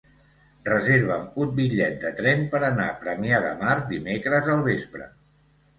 Reserva'm un bitllet de tren per anar a Premià de Mar dimecres al vespre.